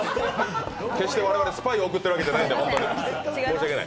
決して我々、スパイを送ってるわけではないので、申し訳ない。